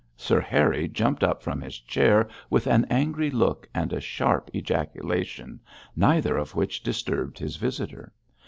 Sir Harry jumped up from his chair with an angry look, and a sharp ejaculation, neither of which disturbed his visitor.